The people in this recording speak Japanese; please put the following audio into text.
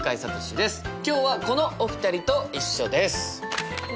今日はこのお二人と一緒です。